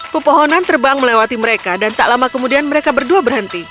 pepohonan terbang melewati mereka dan tak lama kemudian mereka berdua berhenti